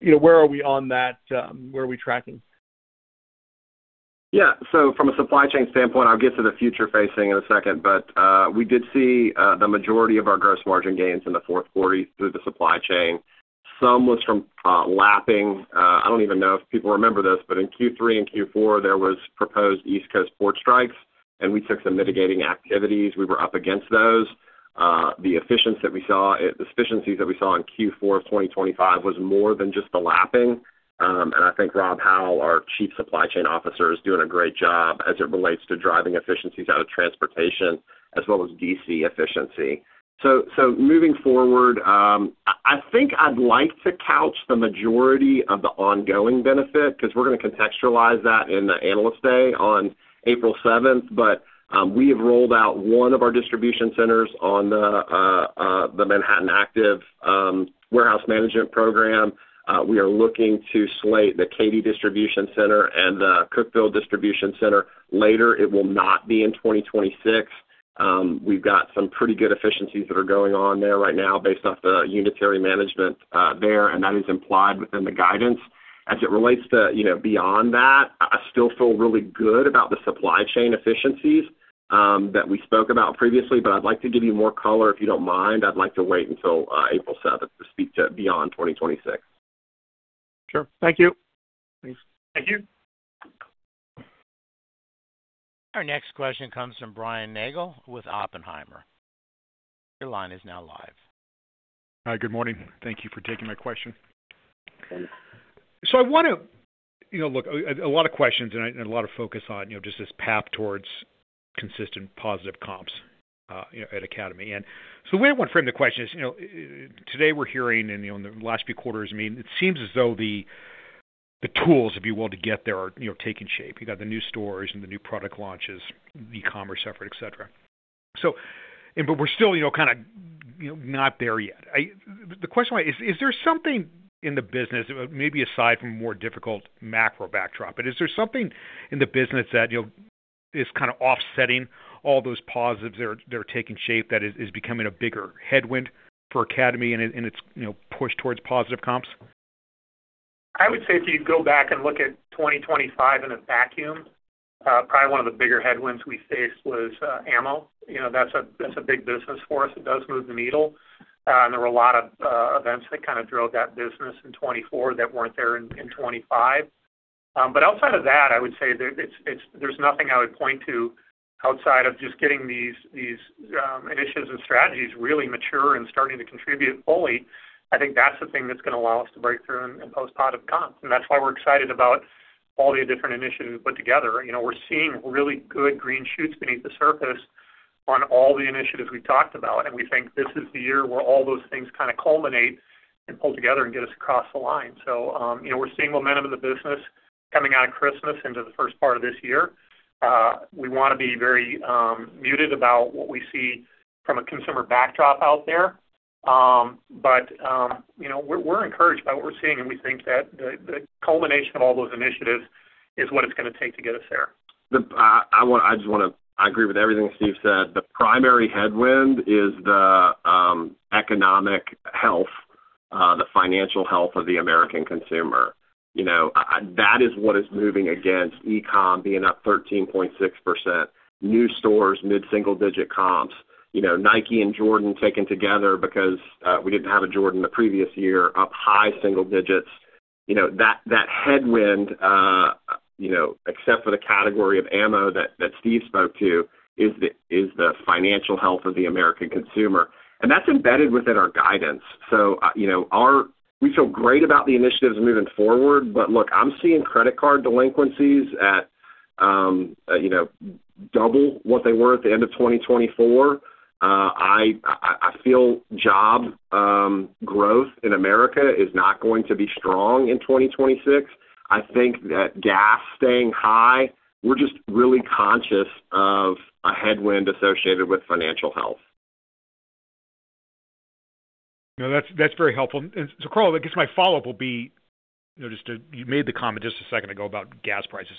you know, where are we on that? Where are we tracking? Yeah. From a supply chain standpoint, I'll get to the future facing in a second, but we did see the majority of our gross margin gains in the fourth quarter through the supply chain. Some was from lapping. I don't even know if people remember this, but in Q3 and Q4, there was proposed East Coast port strikes, and we took some mitigating activities. We were up against those. The efficiencies that we saw in Q4 of 2025 was more than just the lapping. I think Rob Howell, our Chief Supply Chain Officer, is doing a great job as it relates to driving efficiencies out of transportation as well as DC efficiency. Moving forward, I think I'd like to couch the majority of the ongoing benefit because we're gonna contextualize that in the Analyst Day on April 7th. We have rolled out one of our distribution centers on the Manhattan Active warehouse management program. We are looking to slate the Katy distribution center and the Cookeville distribution center later. It will not be in 2026. We've got some pretty good efficiencies that are going on there right now based off the inventory management there, and that is implied within the guidance. As it relates to, you know, beyond that, I still feel really good about the supply chain efficiencies that we spoke about previously. I'd like to give you more color, if you don't mind. I'd like to wait until April seventh to speak to beyond 2026. Sure. Thank you. Thanks. Thank you. Our next question comes from Brian Nagel with Oppenheimer. Your line is now live. Hi. Good morning. Thank you for taking my question. Good. I wanna. You know, look, a lot of questions and a lot of focus on, you know, just this path towards consistent positive comps, you know, at Academy. The way I want to frame the question is, you know, today we're hearing, and, you know, in the last few quarters, I mean, it seems as though the tools, if you will, to get there are, you know, taking shape. You got the new stores and the new product launches, the e-commerce effort, et cetera. But we're still, you know, kinda, you know, not there yet. The question is, why is there something in the business, maybe aside from a more difficult macro backdrop, but is there something in the business that, you know, is kind of offsetting all those positives that are taking shape, that is becoming a bigger headwind for Academy and its, you know, push towards positive comps? I would say if you go back and look at 2025 in a vacuum, probably one of the bigger headwinds we faced was ammo. You know, that's a big business for us. It does move the needle. And there were a lot of events that kinda drove that business in 2024 that weren't there in 2025. But outside of that, I would say there's nothing I would point to outside of just getting these initiatives and strategies really mature and starting to contribute fully. I think that's the thing that's gonna allow us to break through and post positive comps. That's why we're excited about all the different initiatives we put together. You know, we're seeing really good green shoots beneath the surface on all the initiatives we've talked about, and we think this is the year where all those things kinda culminate and pull together and get us across the line. You know, we're seeing momentum of the business coming out of Christmas into the first part of this year. We wanna be very muted about what we see from a consumer backdrop out there. You know, we're encouraged by what we're seeing, and we think that the culmination of all those initiatives is what it's gonna take to get us there. I agree with everything Steve said. The primary headwind is the economic health, the financial health of the American consumer. You know, that is what is moving against e-com being up 13.6%, new stores mid-single digit comps. You know, Nike and Jordan taken together because we didn't have a Jordan the previous year, up high single digits. You know, that headwind, except for the category of ammo that Steve spoke to, is the financial health of the American consumer, and that's embedded within our guidance. You know, we feel great about the initiatives moving forward. Look, I'm seeing credit card delinquencies at, you know, double what they were at the end of 2024. I feel job growth in America is not going to be strong in 2026. I think that gas staying high, we're just really conscious of a headwind associated with financial health. No, that's very helpful. Carl, I guess my follow-up will be, you know, you made the comment just a second ago about gas prices.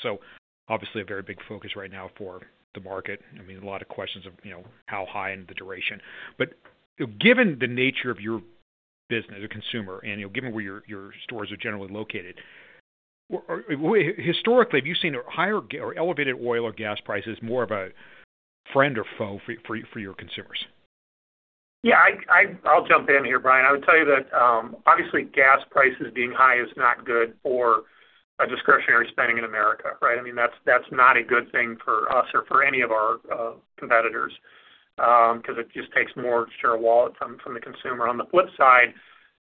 Obviously a very big focus right now for the market. I mean, a lot of questions of, you know, how high and the duration. You know, given the nature of your business as a consumer and, you know, given where your stores are generally located historically, have you seen higher or elevated oil or gas prices more of a friend or foe for your consumers? Yeah, I'll jump in here, Brian. I would tell you that obviously gas prices being high is not good for discretionary spending in America, right? I mean, that's not a good thing for us or for any of our competitors, 'cause it just takes more share of wallet from the consumer. On the flip side,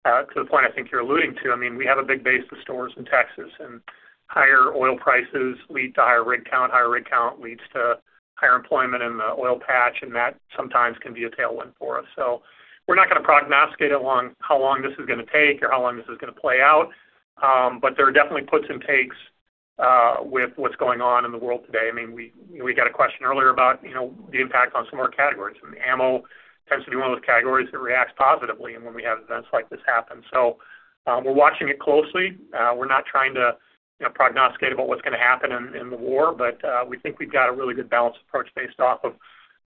to the point I think you're alluding to, I mean, we have a big base of stores in Texas, and higher oil prices lead to higher rig count. Higher rig count leads to higher employment in the oil patch, and that sometimes can be a tailwind for us. We're not gonna prognosticate along how long this is gonna take or how long this is gonna play out. There are definitely puts and takes with what's going on in the world today. I mean, we, you know, we got a question earlier about, you know, the impact on some of our categories, and ammo tends to be one of those categories that reacts positively when we have events like this happen. We're watching it closely. We're not trying to, you know, prognosticate about what's gonna happen in the war. We think we've got a really good balanced approach based off of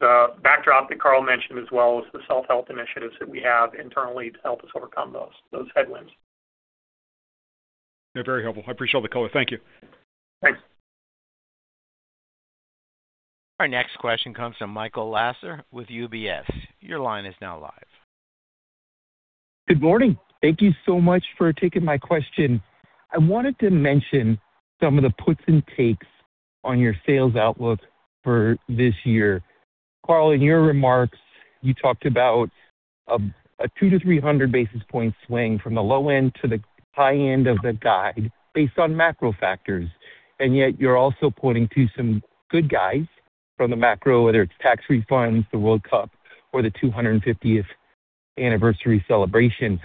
the backdrop that Carl mentioned, as well as the self-help initiatives that we have internally to help us overcome those headwinds. Yeah, very helpful. I appreciate the color. Thank you. Thanks. Our next question comes from Michael Lasser with UBS. Your line is now live. Good morning. Thank you so much for taking my question. I wanted to mention some of the puts and takes on your sales outlook for this year. Carl, in your remarks, you talked about a 200-300 basis points swing from the low end to the high end of the guide based on macro factors. Yet you're also pointing to some good signs from the macro, whether it's tax refunds, the World Cup, or the 250th anniversary celebration.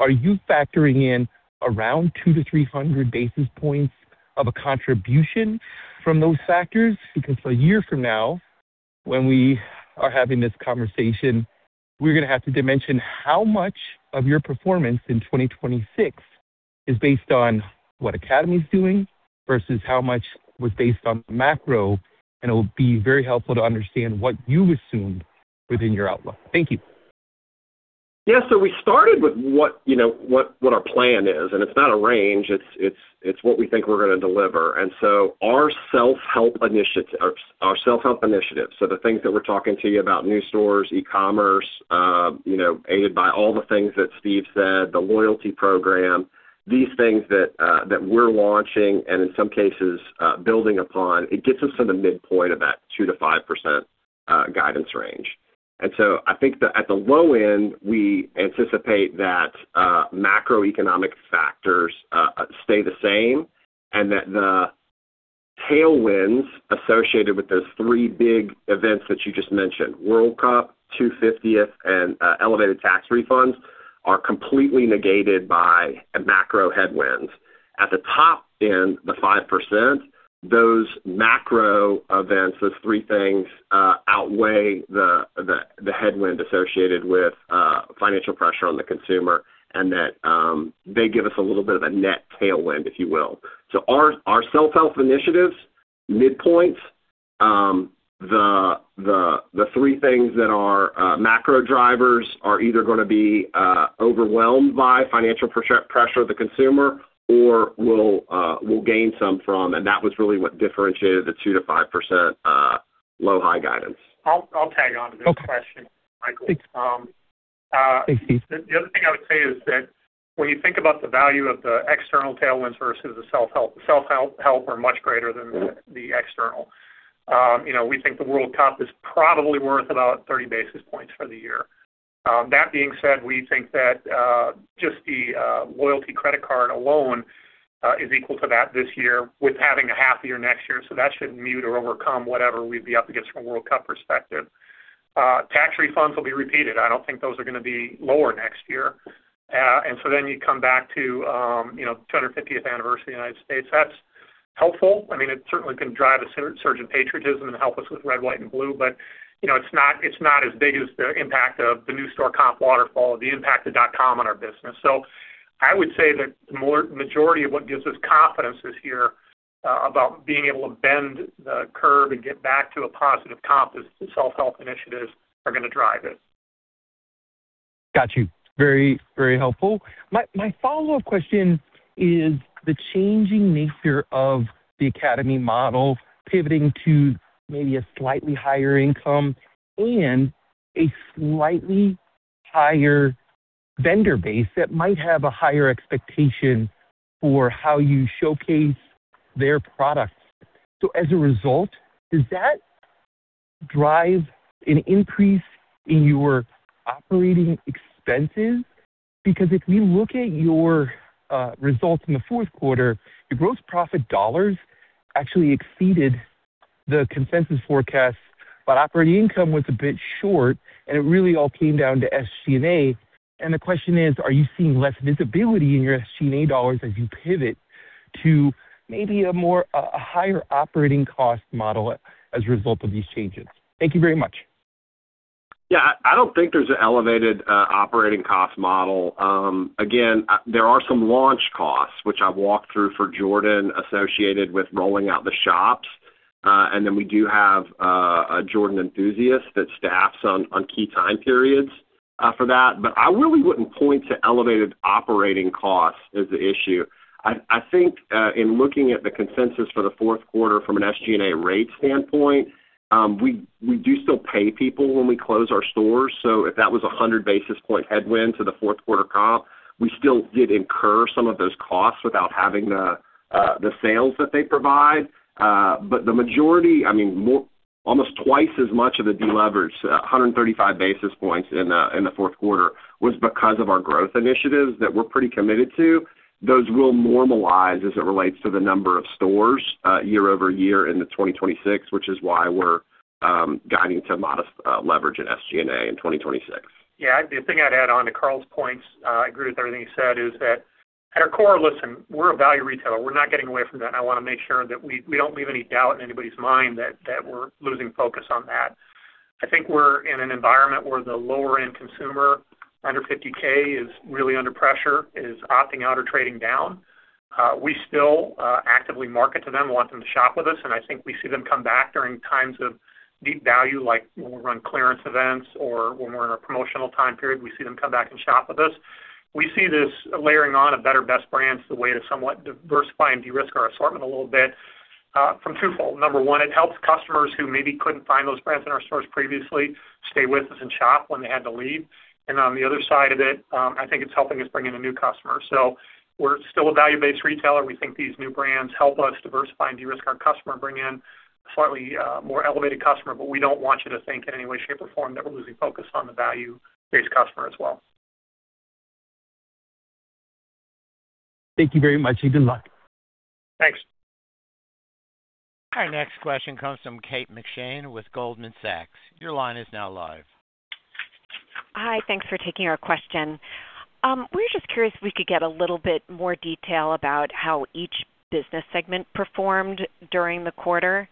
Are you factoring in around 200-300 basis points of a contribution from those factors? Because a year from now, when we are having this conversation, we're gonna have to dimension how much of your performance in 2026 is based on what Academy's doing versus how much was based on the macro, and it'll be very helpful to understand what you assumed within your outlook? Thank you. We started with what, you know, our plan is, and it's not a range. It's what we think we're gonna deliver. Our self-help initiatives, the things that we're talking to you about, new stores, e-commerce, you know, aided by all the things that Steve said, the loyalty program. These things that we're launching and in some cases building upon, it gets us to the midpoint of that 2%-5% guidance range. I think that at the low end, we anticipate that macroeconomic factors stay the same, and that the tailwinds associated with those three big events that you just mentioned, World Cup, 250th, and elevated tax refunds, are completely negated by macro headwinds. At the top end, the 5%, those macro events, those three things outweigh the headwind associated with financial pressure on the consumer and that they give us a little bit of a net tailwind, if you will. Our self-help initiatives, midpoints, the three things that are macro drivers are either gonna be overwhelmed by financial pressure of the consumer or will gain some from. That was really what differentiated the 2%-5% low-high guidance. I'll tag on to this question, Michael. Okay. Thanks, Steve. The other thing I would say is that when you think about the value of the external tailwinds versus the self-help are much greater than the external. You know, we think the World Cup is probably worth about 30 basis points for the year. That being said, we think that just the loyalty credit card alone is equal to that this year with having a half year next year, so that should mute or overcome whatever we'd be up against from a World Cup perspective. Tax refunds will be repeated. I don't think those are gonna be lower next year. You come back to, you know, 250th anniversary of the United States. That's helpful. I mean, it certainly can drive a surge in patriotism and help us with red, white, and blue. You know, it's not as big as the impact of the new store comp waterfall, the impact of dotcom on our business. I would say that the majority of what gives us confidence this year about being able to bend the curve and get back to a positive comp is the self-help initiatives are gonna drive it. Got you. Very, very helpful. My follow-up question is the changing nature of the Academy model pivoting to maybe a slightly higher income and a slightly higher vendor base that might have a higher expectation for how you showcase their products. As a result, does that drive an increase in your operating expenses? Because if we look at your results in the fourth quarter, your gross profit dollars actually exceeded the consensus forecast, but operating income was a bit short, and it really all came down to SG&A. The question is, are you seeing less visibility in your SG&A dollars as you pivot to maybe a more higher operating cost model as a result of these changes? Thank you very much. Yeah. I don't think there's an elevated operating cost model. Again, there are some launch costs, which I've walked through for Jordan, associated with rolling out the shops. We do have a Jordan enthusiast that staffs on key time periods for that. I really wouldn't point to elevated operating costs as the issue. I think in looking at the consensus for the fourth quarter from an SG&A rate standpoint, we do still pay people when we close our stores. If that was 100 basis point headwind to the fourth quarter comp, we still did incur some of those costs without having the sales that they provide. The majority, I mean, almost twice as much of the deleverage, 135 basis points in the fourth quarter was because of our growth initiatives that we're pretty committed to. Those will normalize as it relates to the number of stores year-over-year into 2026, which is why we're guiding to modest leverage in SG&A in 2026. Yeah. The thing I'd add on to Carl's points, I agree with everything he said, is that at our core, listen, we're a value retailer. We're not getting away from that. I wanna make sure that we don't leave any doubt in anybody's mind that we're losing focus on that. I think we're in an environment where the lower-end consumer, under 50K, is really under pressure, is opting out or trading down. We still actively market to them, want them to shop with us, and I think we see them come back during times of deep value, like when we run clearance events or when we're in a promotional time period, we see them come back and shop with us. We see this layering on of better, best brands as a way to somewhat diversify and de-risk our assortment a little bit from twofold. Number one, it helps customers who maybe couldn't find those brands in our stores previously stay with us and shop when they had to leave. On the other side of it, I think it's helping us bring in a new customer. We're still a value-based retailer. We think these new brands help us diversify and de-risk our customer, bring in slightly more elevated customer. We don't want you to think in any way, shape, or form that we're losing focus on the value-based customer as well. Thank you very much. Good luck. Thanks. Our next question comes from Kate McShane with Goldman Sachs. Your line is now live. Hi. Thanks for taking our question. We're just curious if we could get a little bit more detail about how each business segment performed during the quarter.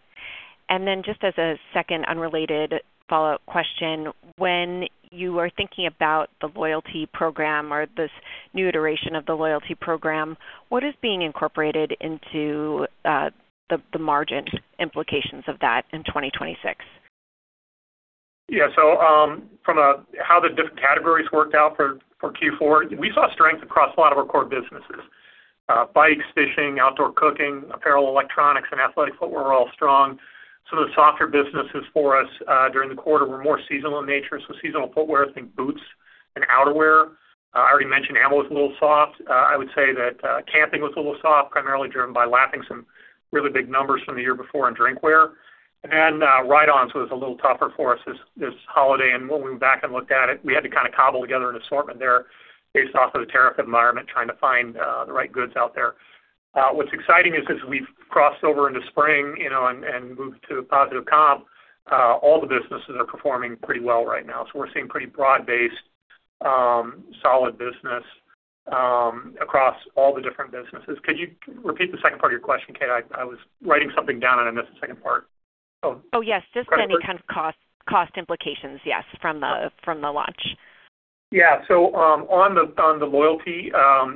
Just as a second unrelated follow-up question, when you are thinking about the loyalty program or this new iteration of the loyalty program, what is being incorporated into the margin implications of that in 2026? Yeah. From how the different categories worked out for Q4, we saw strength across a lot of our core businesses. Bikes, fishing, outdoor cooking, apparel, electronics, and athletic footwear are all strong. Some of the softer businesses for us during the quarter were more seasonal in nature. Seasonal footwear, think boots and outerwear. I already mentioned ammo was a little soft. I would say that camping was a little soft, primarily driven by lapping some really big numbers from the year before in drinkware. Ride-ons was a little tougher for us this holiday. When we went back and looked at it, we had to kinda cobble together an assortment there based off of the tariff environment, trying to find the right goods out there. What's exciting is as we've crossed over into spring, you know, and moved to positive comp, all the businesses are performing pretty well right now. We're seeing pretty broad-based, solid business across all the different businesses. Could you repeat the second part of your question, Kate? I was writing something down and I missed the second part. Oh, yes. Just any kind of cost implications, yes, from the launch. Yeah. On the loyalty,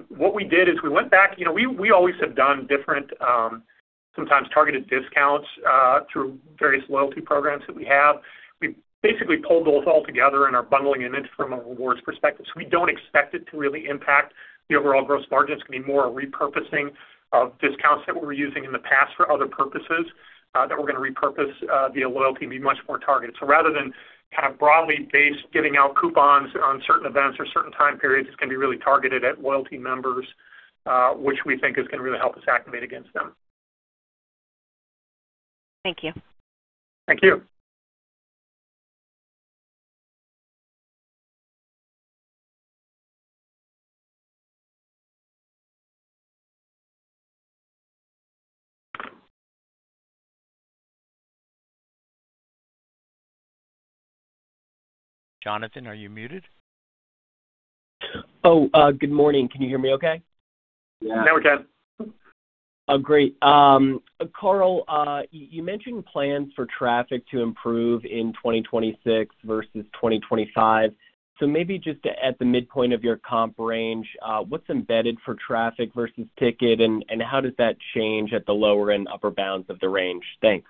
what we did is we went back. You know, we always have done different, sometimes targeted discounts, through various loyalty programs that we have. We basically pulled those all together and are bundling them in from a rewards perspective. We don't expect it to really impact the overall gross margins. It's gonna be more a repurposing of discounts that we were using in the past for other purposes, that we're gonna repurpose, via loyalty and be much more targeted. Rather than kind of broadly based giving out coupons on certain events or certain time periods, it's gonna be really targeted at loyalty members, which we think is gonna really help us activate against them. Thank you. Thank you. Jonathan, are you muted? Oh, good morning. Can you hear me okay? Yeah. Now we can. Oh, great. Carl, you mentioned plans for traffic to improve in 2026 versus 2025. Maybe just at the midpoint of your comp range, what's embedded for traffic versus ticket, and how does that change at the lower and upper bounds of the range? Thanks.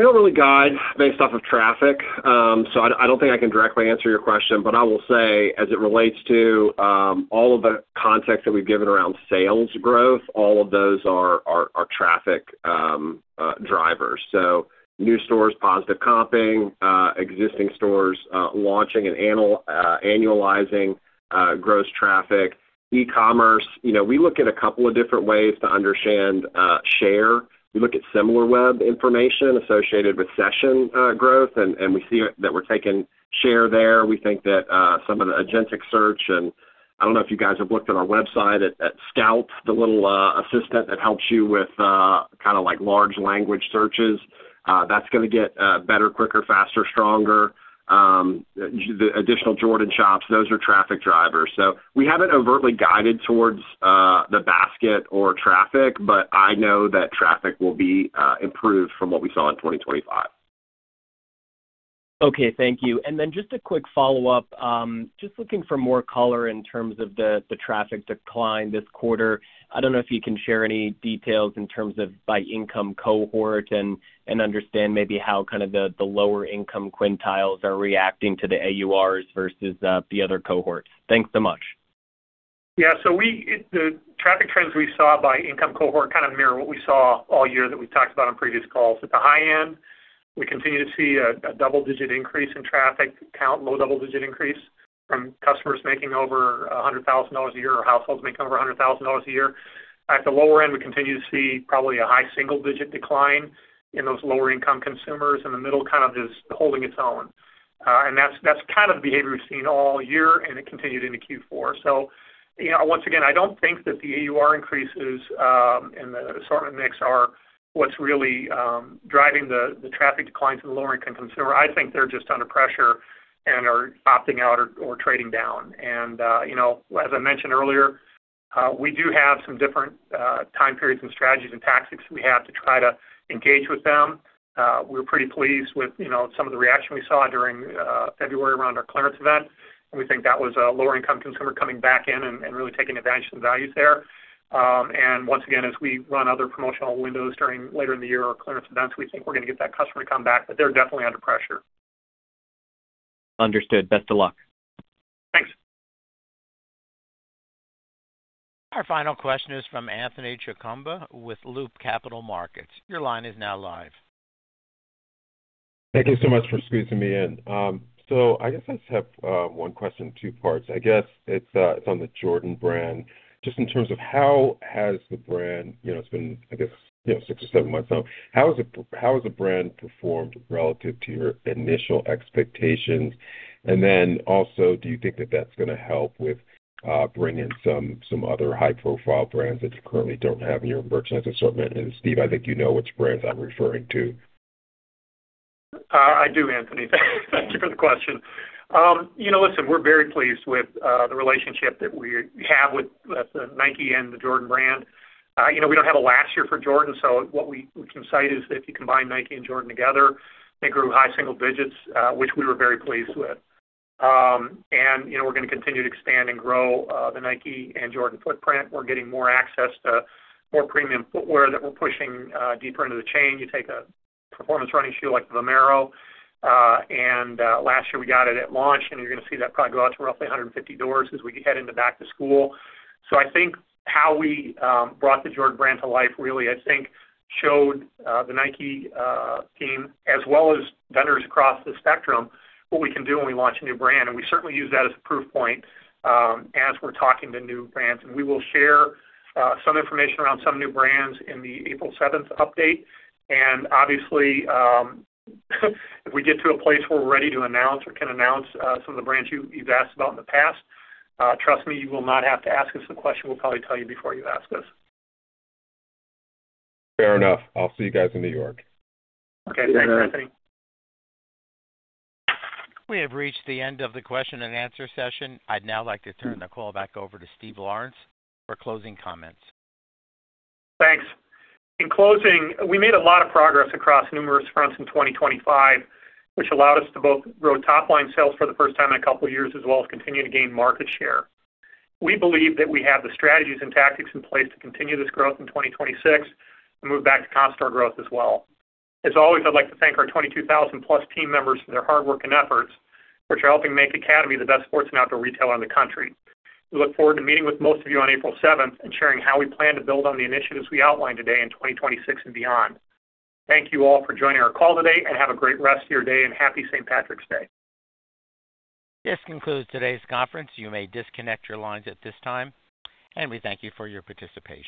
We don't really guide based off of traffic, so I don't think I can directly answer your question, but I will say as it relates to all of the context that we've given around sales growth, all of those are traffic drivers. New stores, positive comping, existing stores launching and annualizing, gross traffic, e-commerce. You know, we look at a couple of different ways to understand share. We look at Similarweb information associated with session growth, and we see that we're taking share there. We think that some of the agentic search and I don't know if you guys have looked at our website at Scout, the little assistant that helps you with kinda, like, large language searches. That's gonna get better, quicker, faster, stronger. The additional Jordan shops, those are traffic drivers. We haven't overtly guided towards the basket or traffic, but I know that traffic will be improved from what we saw in 2025. Okay. Thank you. Just a quick follow-up. Just looking for more color in terms of the traffic decline this quarter. I don't know if you can share any details in terms of by income cohort and understand maybe how kind of the lower income quintiles are reacting to the AURs versus the other cohorts. Thanks so much. Yeah. The traffic trends we saw by income cohort kind of mirror what we saw all year that we talked about on previous calls. At the high end, we continue to see a double-digit increase in traffic count, low double-digit increase from customers making over $100,000 a year or households making over $100,000 a year. At the lower end, we continue to see probably a high single-digit decline in those lower income consumers, and the middle kind of just holding its own. That's kind of the behavior we've seen all year, and it continued into Q4. You know, once again, I don't think that the AUR increases and the assortment mix are what's really driving the traffic declines in the lower income consumer. I think they're just under pressure and are opting out or trading down. You know, as I mentioned earlier, we do have some different time periods and strategies and tactics we have to try to engage with them. We're pretty pleased with, you know, some of the reaction we saw during February around our clearance event. We think that was lower income consumer coming back in and really taking advantage of the values there. Once again, as we run other promotional windows during later in the year or clearance events, we think we're gonna get that customer to come back, but they're definitely under pressure. Understood. Best of luck. Thanks. Our final question is from Anthony Chukumba with Loop Capital Markets. Your line is now live. Thank you so much for squeezing me in. I guess I just have one question, two parts. I guess it's on the Jordan brand. Just in terms of how has the brand performed relative to your initial expectations. You know, it's been, I guess, you know, six or seven months now. Do you think that that's gonna help with bringing some other high-profile brands that you currently don't have in your merchandise assortment? Steve, I think you know which brands I'm referring to. I do, Anthony. Thank you for the question. You know, listen, we're very pleased with the relationship that we have with Nike and the Jordan brand. You know, we don't have a last year for Jordan, so what we can cite is that if you combine Nike and Jordan together, they grew high single digits%, which we were very pleased with. You know, we're gonna continue to expand and grow the Nike and Jordan footprint. We're getting more access to more premium footwear that we're pushing deeper into the chain. You take a performance running shoe like Vomero, and last year we got it at launch, and you're gonna see that probably go out to roughly 150 doors as we head into back to school. I think how we brought the Jordan brand to life really showed the Nike team as well as vendors across the spectrum what we can do when we launch a new brand. We certainly use that as a proof point as we're talking to new brands. We will share some information around some new brands in the April seventh update. Obviously, if we get to a place where we're ready to announce or can announce some of the brands you've asked about in the past, trust me, you will not have to ask us the question. We'll probably tell you before you ask us. Fair enough. I'll see you guys in New York. Okay. Thanks, Anthony. We have reached the end of the question and answer session. I'd now like to turn the call back over to Steve Lawrence for closing comments. Thanks. In closing, we made a lot of progress across numerous fronts in 2025, which allowed us to both grow top-line sales for the first time in a couple of years, as well as continue to gain market share. We believe that we have the strategies and tactics in place to continue this growth in 2026 and move back to comp store growth as well. As always, I'd like to thank our 22,000+ team members for their hard work and efforts, which are helping make Academy the best sports and outdoor retailer in the country. We look forward to meeting with most of you on April 7 and sharing how we plan to build on the initiatives we outlined today in 2026 and beyond. Thank you all for joining our call today, and have a great rest of your day, and Happy St. Patrick's Day. This concludes today's conference. You may disconnect your lines at this time, and we thank you for your participation.